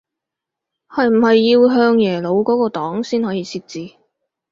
係唔係要向耶魯嗰個檔先可以設置